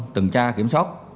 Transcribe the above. từng tra kiểm soát